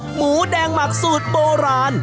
หมูแดงหมักสูตรโบราณ